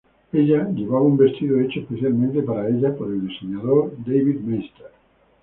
Ella llevaba un vestido hecho especialmente para ella por el diseñador David Meister.